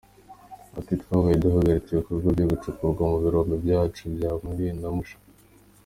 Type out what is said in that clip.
Ati “ Twabaye duhagaritse ibikorwa byo gucukura mu birombe byacu bya Mwurire na Musha.